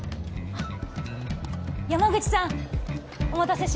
・あっ。